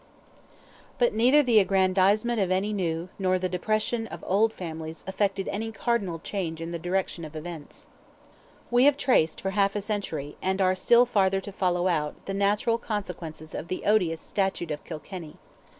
But neither the aggrandizement of new nor the depression of old families effected any cardinal change in the direction of events. We have traced for half a century, and are still farther to follow out, the natural consequences of the odious Statute of Kilkenny.